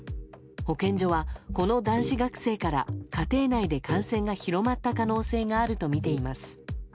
保健所は、この男子学生から家庭内で感染が広まった可能性があるとみています。